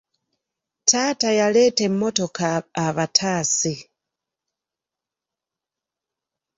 Taata yaleeta emmotoka abataase.